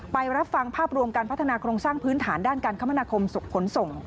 รับฟังภาพรวมการพัฒนาโครงสร้างพื้นฐานด้านการคมนาคมขนส่ง